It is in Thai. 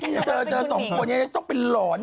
วันนี้นี่เจอครุ่นจะเป็นหลอน